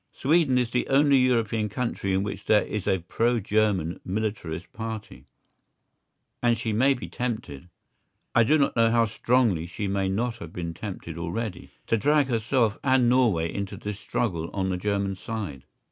Sweden is the only European country in which there is a pro German militarist party, and she may be tempted—I do not know how strongly she may not have been tempted already—to drag herself and Norway into this struggle on the German side.